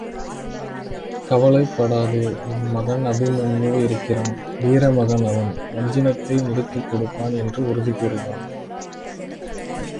கவலைப்படாதே உன் மகன் அபிமன்யு இருக்கிறான் வீரமகன் அவன் வஞ்சினத்தை முடித்துக் கொடுப்பான் என்று உறுதி கூறினான்.